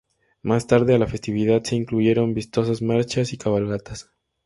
Más tarde, a la festividad se incluyeron vistosas marchas y cabalgatas.